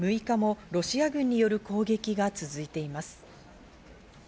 ６日もロシア軍による攻撃が続いています。